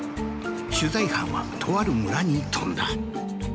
取材班はとある村に飛んだ。